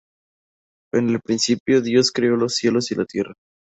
En el principio creó Dios los cielos y la tierra.